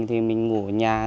thì mình ngủ ở nhà